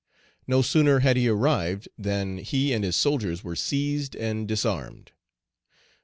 No sooner had he arrived than he and his soldiers were seized and disarmed.